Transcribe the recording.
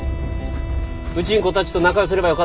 うちん子たちと仲良うすればよ